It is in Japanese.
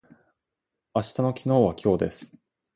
明日の昨日は今日です。